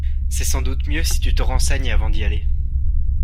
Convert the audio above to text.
C'est sans doute mieux si tu te renseignes avant d'y aller.